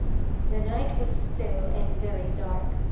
The night was still and very dark.